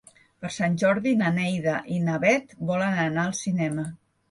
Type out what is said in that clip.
Per Sant Jordi na Neida i na Bet volen anar al cinema.